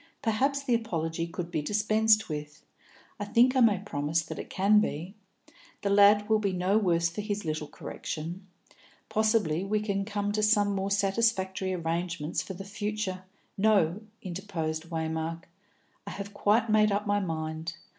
Perhaps the apology could be dispensed with; I think I may promise that it can be. The lad will be no worse for his little correction. Possibly we can come to some more satisfactory arrangements for the future " "No," interposed Waymark; "I have quite made up my mind.